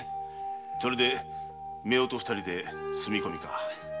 それで夫婦二人で住み込みか。